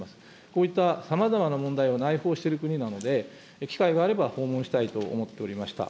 こういったさまざまな問題を内包している国なので、機会があれば訪問したいと思っておりました。